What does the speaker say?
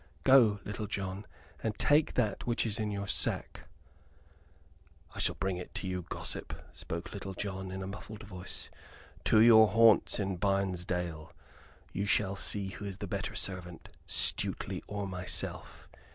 "Go, Little John, and take that which is in your sack " "I shall bring it to you, gossip," spoke Little John, in a muffled voice: "to your haunts in Barnesdale. You shall see who is the better servant Stuteley or myself.